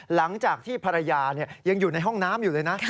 หลังจากที่ภรรยายังอยู่ในห้องน้ำอยู่เลยนะ